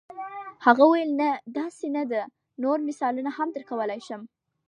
هغه وویل نه داسې نه ده نور مثالونه هم درکولای شم.